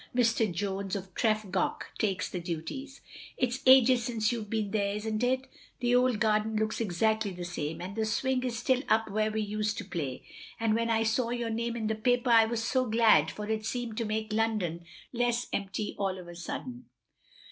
Mr. Jones of Tref goch takes the duties. It 's ages since you Ve been there, is n't it? The old garden looks exactly the same, and the swing is still up where we used to play. And when I saw your name in the paper I was so glad, for it seemed to make London less empty all of a sudden.